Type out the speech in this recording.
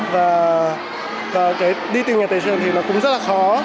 và cái đi tìm nhà tài trợ thì nó cũng rất là khó